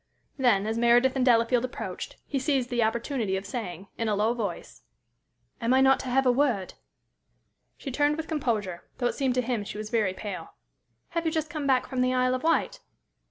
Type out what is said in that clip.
Then, as Meredith and Delafield approached, he seized the opportunity of saying, in a low voice: "Am I not to have a word?" She turned with composure, though it seemed to him she was very pale. "Have you just come back from the Isle of Wight?"